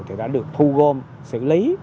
thì đã được thu gom xử lý